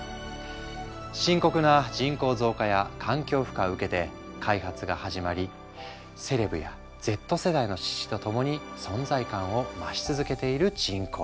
深刻な人口増加や環境負荷を受けて開発が始まりセレブやＺ世代の支持と共に存在感を増し続けている人工肉。